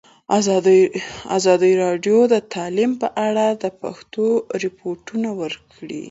ازادي راډیو د تعلیم په اړه د پېښو رپوټونه ورکړي.